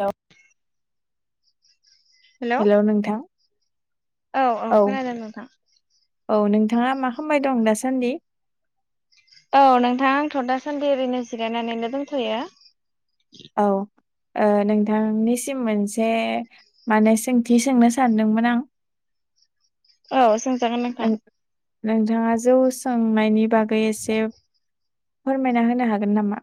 औ hello hello नोंथां औ औ खोनादों नोंथां। औ नोंथाङा मा खालामबाय दं दासान्दि औ नोंथां आंथ' दासान्दि ओरैनो जिरायनानैनो दोनथ'यो औ नोंथांनिसिम मोनसे माने सोंथि सोंनो सानदोंमोन आं औ सोंजागोन नोंथां नों नोंथाङा जौ सोंनायनि बागै एसे फोरमायना होनो हागोन नामा?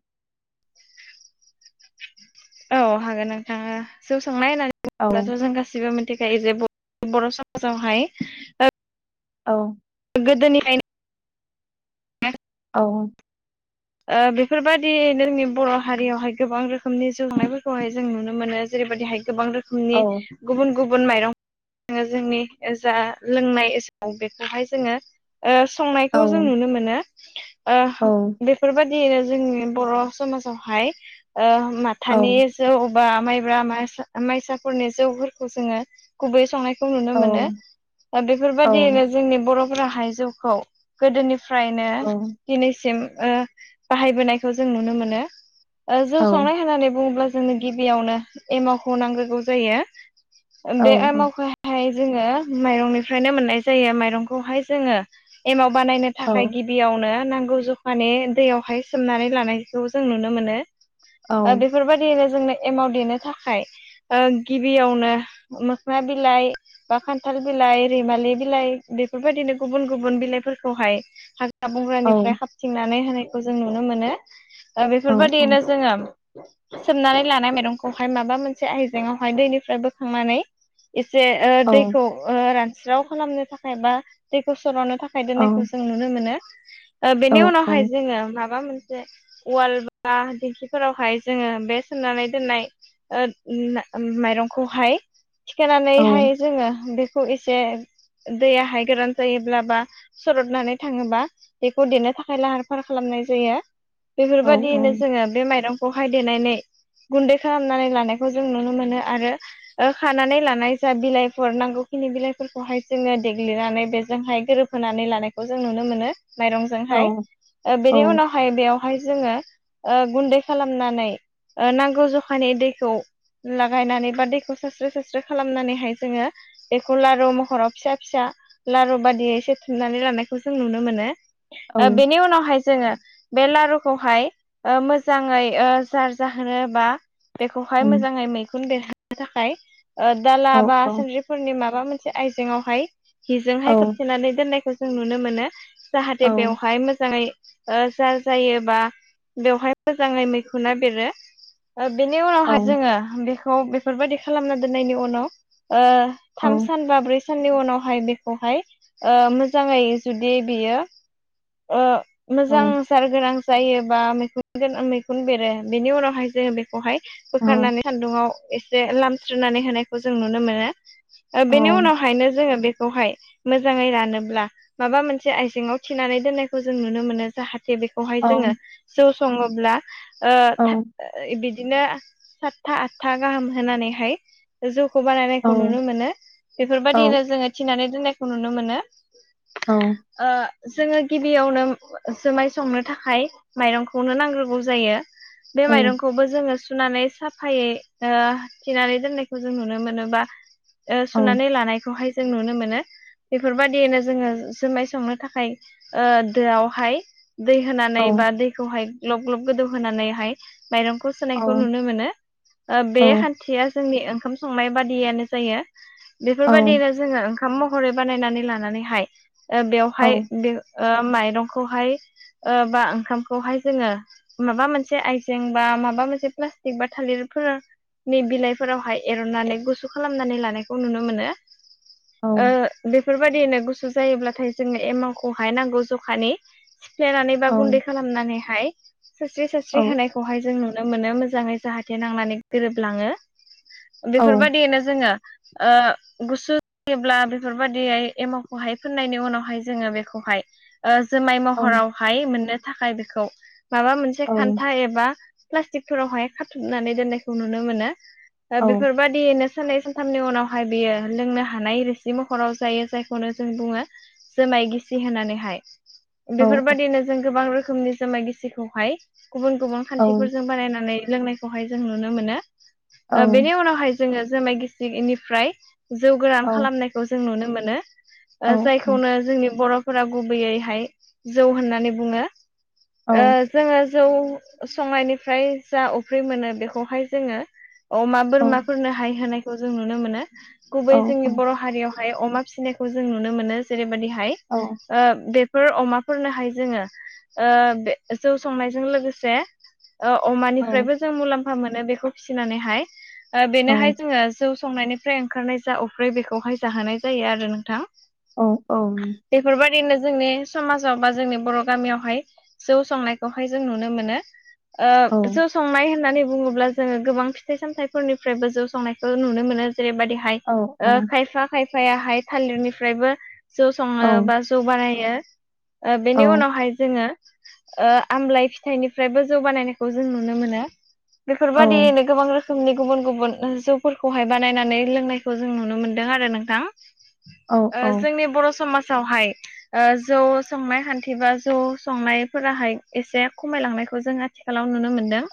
औ हागोन नोंथाङा आ जौ संनाय होननानै औ बुङोब्लाथ' जों गासिबो मिथिखायोे बर' समाजावहाय औ गोदोनिफ्रायायनो औ बेफोरबायदि जोंनि बर' हारियावहाय गोबां रोखोमनि जौनायफोरखौहाय जों नुनो मोनो जेरैबायदिहाय गोबां औ रोखोमनि गुबुन गुबुन माइरं जोंनि जा लोंनाय समाव बेखौहाय जोङो ओ औ संनायखौ जों नुनो मोनो ओ औ बेफोरबायादियैनो जोंनि बर' समाजावहाय ओ औ माथानि जौ बा माइब्रा माइसाफोरनि जौफोरखौ जोङो गुबै संनायखौ नुनो मोनो औ दा औ बेफोरबायादियैनो जोंनि बर'फोराहाय जौखौ गोदोनिफ्रायनो औ दिनैसिम ओ बाहायबोनायखौ जों नुनो मोनो। ओ जौ औ सावनाय होननानै बुङोब्ला जोंनो गिबियावनो एमावखौ नांग्रोगौ जायो। औ दे एमावखौ हायो जोङो माइरंनिफ्रायनो मोननाय जायो माइरंखौहाय जोङो एमाव बानायनो औ थाखाय गिबियावनो नांगौ जखानि दैयावहाय सोमनानै लानायखौ जों नुनो मोनो। ओ औ बेफोरबायादियैनो जोंनो एमाव देनो थाखाय ओ गिबियावनो मोखना बिलाइ बा खान्थाल बिलाइ, रैमालि बिलाइ बेफोरबायदिनो गुबुन गुबुन बिलाइफोरखौहाय हाग्रा हाग्रा बंग्रानिफ्राय खाबथिंनानै होनायखौ जों नुनो मोनो ओ औ औ बेफोरबायदियैनो जोङो सोमनानै लानाय माइरंखौहाय माबा मोनसे आइजेंआवहाय दैनिफ्राय बोखांनानै एसे ओ दैखौ ओ रानस्राव खालामनो थाखाय बा दैखौ सर'नो थाखाय दोननायखौ जों नुनो मोनो बेनि ओ उनावहाय जोङो माबा मोनसे [inaudible] उवाल बा दिंखिफोरावहाय जोङो बे सोमनानै दोननाय ओ उम ना माइरंखौहाय थिखोनानैहाय जोङो बेखौ एसे दैयाहाय गोरान जायोब्ला बा सरदनानै थाङोबा खौ देनो थाखाय लाहार-फाहार खालामनाय जायो बेफोरबायदियैनो औ जोङो बे माइरं हाय देनानै गुन्दै खालामनानै लानायखौ जों नुनो मोनो आरो ओ खानानै लानाय जा बिलाइफोर नांगौखिनि बिलाइफोरखौहाय जोङो देग्लिनानै बेजोंहाय गोरोब होनानै लानायखौ जों नुनो मोनो माइरंजोंहाय ओ औ बेनि उनाव बेवहाय जोङो ओ गुन्दै खालामनानै ओ नांगौ जखानि दैखौ लागायनानै बा दैखौ सास्रो सास्रो खालामनानैहाय जोङो बेखौ लारु महराव फिसा फिसा लारु बादियै एसे थुनानै लानायखौ जों नुनो मोनो। औ ओ बेनि उनावहाय जोङो बे लारुखौहाय ओ मोजाङै ओ जार जाहोनो बा बेखौहाय मोजाङै मैखुन बेरहोनो थाखाय ओ दाला बा सान्द्रि फोरनि माबा मोनसे आइजेंआवहाय सिजोंहाय खोबथेनानै दोननायखौ जों नुनो मोनो। जाहाथे बेवहाय मोजाङै ओ जार जायो बा बेवहाय मोजाङै मैखुना बेरो। ओ बेनि उनावहाय जोङो बेखौ बेफोरबायदि खालामना दोननायनि उनाव ओ थाम सान बा ब्रै साननि उनावहाय बेखौहाय ओ मोजाङै जुदि बियो ओ मोजां जार गोनां जायोबा मैखुन गोनां मैखुन बेरो बेनि उनावहाय जोङो बेखौहाय बोखारनानै सान्दुङाव एसे लामस्रोनानै होनायखौ जों नुनो मोनो ओ बेनि उनाव हायनो जोङो बेखौहाय मोजाङै रानोब्ला माबा मोनसे आइजेङाव थिनानै दोननायखौ जों नुनो मोनो जाहाथे बेखौहाय जोङो जौ सङोब्ला ओ थाद बिदिनो सातथा आठथा गाहाम होनानैहाय जौखौ बानायनायखौ नुनो मोनो बेफोरबायदिनो जोङो थिनानै दोननायखौ नुनो मोनो। औ। ओ जोङो गिबियावनो जुमाय संनो थाखाय माइरंखौनो नांग्रोगौ जायो। बे माइरंखौबो जोङो स सुनानै साफायै ओ थिनानै दोननायखौ जों नुनो मोनो बा ओ सुनानै लानायखौहाय जों नुनो मोनो बेफोरबायदियैनो जोङो जुमाय संनो थाखाय ओ दोआवहाय दै होनानै बा दै बेखौहाय ग्लब ग्लब गोदौ होनानैहाय माइरंखौ सोनायखौ नुनो मोनो ओ बे खान्थिया जोंनि ओंखाम संनाय बादियानो जायो बेफोरबायदिनो जोङो ओंखाम महरै बानायनानै लानानैहाय बेवहाय बे माइरंखौहाय बा ओंखामखौहाय जोङो माबा मोनसे आइजें बा माबा मोनसे प्लास्टिक बा थालिरफोर नि बिलाइफोरावहाय एरननानै गुसु खालामनानै लानायखौ नुनो मोनो ओ बेफोरबायदिनो गुसु जायोब्लाथाय जोङो एमाखौ हाय नांगौ जखानि सिफ्लेनानै बा गुन्दै खालामनानैहाय सोरस्रि सास्रि होनाय खौहाय जों नुनो मोनो मोजाङै जाहाथे नांनानै गोरोबलाङो बेफोरबादियैनो जोङो गुसुयोब्ला बेफोरबायदि एमावखौहाय फोननायनि उनावहाय जोङो बे खौहाय जुमाय महरावहाय मोननो थाखाय बेखौ माबा मोनसे मोनसे खान्था एबा प्लास्टिकफोरावहाय खाथुमनानै दोननायखौ नुनो मोनो दा बेफोरबायदियैनो साननै सानथामनि उनावहाय बियो लोंनो हानाय रोसि महराव जायो जायखौनो जों बुङो जुमाय गिसि होनानैहाय बेफोरबायदिनो जों गोबां रोखोमनि जुमाय गिसिखौहाय गुबुन गुबुन खान्थिफोरजों बानायनानै लोंनायखौहाय जों नुनो मोनो बेनि उनावहाय जोङो जुमाय गिसिनिफ्राय जौ गोरान खालामनायखौ जों नुनो मोनो जायखौनो जोंनि बर'फोरा गुबैयैहाय जौ होननानै बुङो जोङो जौ संनायनिफ्राय जा अफ्रि मोनो बेखौहाय जोङो अमा बोरमाफोरनो हाय होनायखौ जों नुनो मोनो गुबै जोंनि बर' हारियाव हाय अमा फिसिनायखौ जों नुनो मोनो जेरैबायाददिहाय औ बेफोर अमाफोरनोहाय जोङो बे जौ संनायजों लोगोसे अमानिफ्रायबो जों मुलाम्फा मोनो बेखौ फिसिनानैहाय बेनोहाय जोङो जौ संनायनिफ्राय ओंखारनाय जा अफ्रि बेखौहाय जाहोनाय जायो आरो नोंथां औ औ बेफोरबायदिनो जोंनि समाजाव बा जोंनि बर' गामियावहाय जौ संनायखौहाय जों नुनो मोनो जौ संनाय होननानै बुङोब्ला जोङो गोबां फिथाइ सामथाइफोरनिफ्रायबो जौ संनायखौ नुनो मोनो जेरैबायदि हाय खायफा खायफायाहाय थालिरनिफ्रायबो जौ सङो बा जौ बानायो बेनि उनावहाय जोङो आमलाय फिथाइनिफ्रायबो जौ बानायनायखौ जों नुनो मोनो बेफोरबायदियैनो गोबां रोखोम रोखोमनि गुबुन गुबुन जौफोरखौहाय बानायनानै लोंनायखौ जों नुनो मोनदों आरो नोंथां जोंनि बर' समाजावहाय जौ संनाय खान्थि बा जौ संनायफोराहाय एसे खमायलांनायखौ जोङो आथिखालाव नुनो मोनदों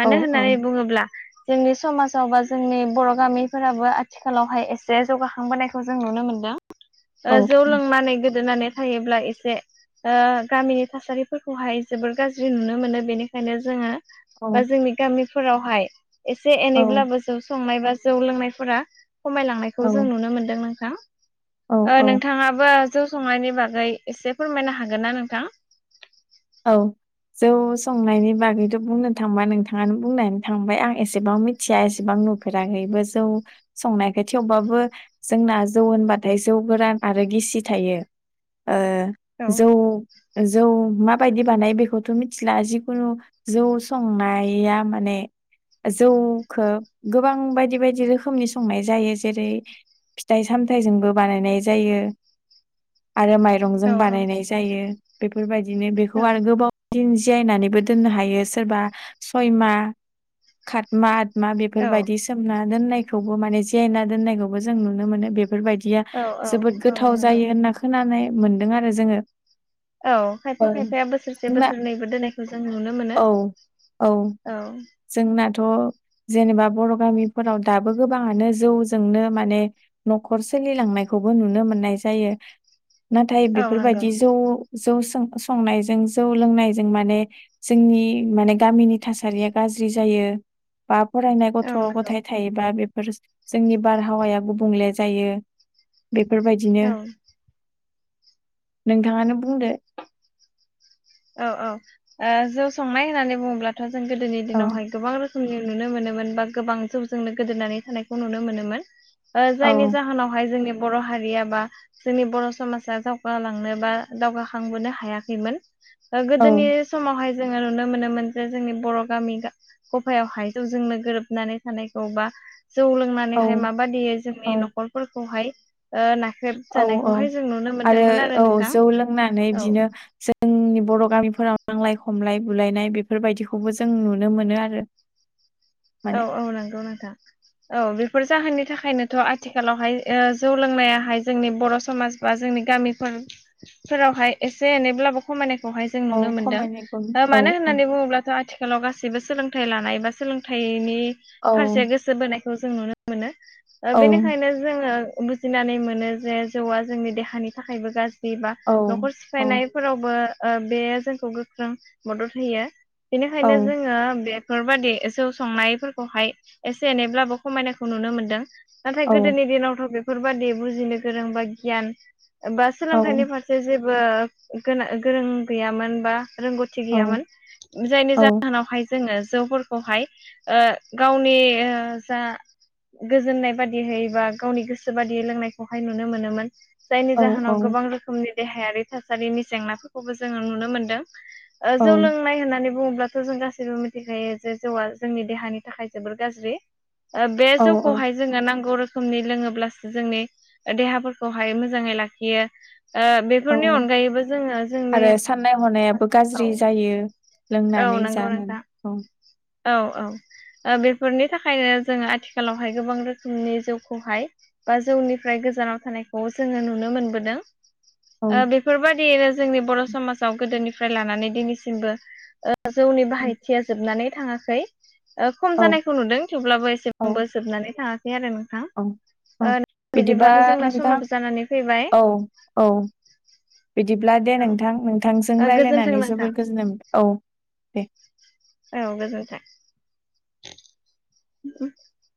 मानो होननानै बुङोब्ला जोंनि समाजाव बा जोंनि बर' गामिफोराबो आथिखालावहाय एसे जौगाखांबोनायखौ जों नुनो मोनदों औ ओ जौ लोंनानै गोदोनानै थायोब्ला एसे गामिनि थासारिफोरखौहाय जोबोर गाज्रि नुनो मोनो बेनिखायनो जोङो औ बा जोंनि गामिफोरावहाय एसे औ एनैब्लाबो जौ संनाय बा जौ लोंनायफोरा खमायलांनायखौ औ जों नुनो मोनदों औ नोंथां नों औ नोंथाङाबो जौ संनायनि बागै एसे फोरमायनो हागोन ना नोंथां औ जौ संनायनि बागैथ' बुंनो थांबा नोंथाङानो बुंनानै थांबाय आं एसेबां मि थिया एसेबां नुफेराखैबो जौ संनायखौ थेवबाबो जोंना जौ होनबाथाय जौ गोरान आरो गिसि थायो औ जौ जौ मा बायदि बानाय बेखौथ' मिथिला जिखुनु जौ संनाया माने जौखौ गोबां बायदि बायदि रोखोमनि संनाय जायो जेरै फिथाइ सामथाइजोंबो बानायनाय जायो। आरो औ माइरंजों बानायनाय जायो। बेफोरबायदिनो बेखौ औ आरो गोबाव दिन जिरायनानैबो दोननो हायो सोरबा सयमा खातमा मा औ बेफोरबायदि सोमना दोननायखौबो माने जेना दोननायखौबो जों नुनो मोनो बे बेफोरबायदिया औ औ जोबोद औ गोथाव नंगौ जायो होनना खोनानाय मोनदों आरो जोङो। औ खायफा ओ खायफाया बोसोर से जोंना बोसोरनैबो दोननायखौ जों नुनो मोनो औ औ औ। जोंनाथ' जेनेबा बर' गामिफोराव दाबो गोबाङानो जौजोंनो माने न'खर सोलिलांनायखौबो नुनो मोननाय जायो। नाथाय औ नंगौ बेफोरबायदि जौ जौ संनाय जों जौ लोंनायजों माने जोंनि माने गामिनि थासारिया गाज्रि जायो। बा फरायनाय गथ' औ नंगौ गथाय थायोबा बेफोर जोंनि बारहावाया गुबुंले जायो। बेफोरबायदिनो औ नोंथाङानो बुंदो। औ औ। जौ संनाय होननानै बुङोब्लाथ' जों गोदोनि औ दिनावहाय गोबां रो खोम नुनो मोनोमोन बा गोबां जौजोंनो गोदोनानै थानायखौ नुनो मोनोमोन। औ जायनि जाहोनावहाय जोंनि बर' हारिया बा जोंनि बर' समाजा दावगालांनो बा दावगाखांबोनो हायाखैमोन। औ गोदोनि समावहाय जोङो नुनो मोनोमोन जे जोंनि बर' गामि गफायाव हायजौजोंनो गोरोबनानै थानायखौ बा जौ औ लोंनानैहाय माबादि जोंनि औ नखफोरखौहाय ओ ना औ औ आरो औ नोंथां जौ लोंनानै औ बिदिनो ज जोंनि बर' गामिफोराव नांलाय खमलाय बुलायनाय बेफोरबायदिखौबो जों नुनो मोनो आरो। [inaudible] औ औ नंगौ नोंथां। औ बेफोर जाहोननि थाखायनोथ' आथिखालावहाय जौ लोंनायाहाय जोंनि बर' समाज बा जोंनि गामिफोरफोरावहाय एसे एनैब्लाबो खमायनायखौहाय जों औ नुनो खमायनायखौ मोनदों औ मानो। औ होननानै बुङोब्लाथ' आथि खालाव गासैबो सोलोंथाइ लानाय एबा सोलोंथाइनि औ फारसे गोसो बोनायखौ जों नुनो मोनो। औ बेनिखायनो जोङो बुजिनानै मोनो जे जौआ जोंनि देहानि थाखायबो गाज्रि बा न'खर सिफायनाय फोरावबो बे जोंखौ गोख्रों मदद होयो। बेनिखायनो जोङो बे बेफोरबायदि जौ संनायफोरखौहाय एसे एनैब्लाबो खमायनायखौ नुनो मोनदों। नाथाय गोदोनि दिनावथ' बेफोरबादि बुजिनो गोरोंबा गियान बा सोलोंथाइनि फारसे जे जेबो गोना गोरों गैयामोन बा रोंगौ थि गैयामोन। जायनि जाहोनावहाय जोङो जौफोरखौहाय गावनि जा गोजोननाय बादियै बा गावनि गोसो बादियै लोंनायखौहाय नुनो मोनोमोन। जायनि जाहोनाव गोबां रोखोमनि देहायारि थासारिनि जेंनाफोरखौबो जोङो नुनो मोनदों। जौ लोंनाय होननानै बुङोब्लाथ' जों गासैबो मिथिखायो जे जौआ जोंनि देहानि थाखाय जोबोर गाज्रि बे औ जौखौहाय जोङो नांगौ रोखोमनि लोङोब्लासो जोंनि देहाफोरखौहाय मोजाङै लाखियो। ओ बे औ आरो साननाय हनायाबो औ गाज्रि जायो। औ लोंनानै नंगौ जागोन नोंथां औ। औ औ बेफोरनि थाखायनो जोङो आथिखालावहाय गोबां रोखोमनि जिउखौहाय बा जौनिफ्राय गोजानाव थानायखौ जोङो नुनो मोनबोदों। औ बेफोरबायदियैनो जोंनि बर' समाजाव गोदोनिफ्राय लानानै दिनैसिमबो जौनि बाहायथिया जोबनानै थाङाखै। औ खम जानायखौ नुदों थेवब्लाबो औ एसेबो जोबनानै थाङाखै आरो नों औ औ बिदिबा जोंना नोंथां समाबो जानानै फैबाय औ। औ बिदिब्ला दे नोंथां ओ नोंथांजों गोजोन्थों रायलायनानै नोंथां जोबोर गोजोननाय मोनदों औ दे औ गोजोनथों